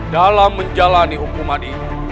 dalam menjalani hukuman ini